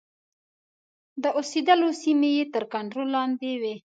د اوسېدلو سیمې یې تر کنټرول لاندي وې.